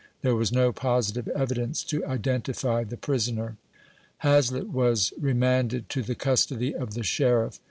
There was no positive ovidonco to identify tho prisonor." Hazlett was remanded to the custody of the Sheriff.